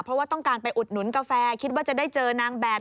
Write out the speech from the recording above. เพราะว่าต้องการไปอุดหนุนกาแฟคิดว่าจะได้เจอนางแบบ